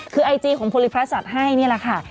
คือไอจีของพลิพรรษัตริย์ให้นี่แหละค่ะ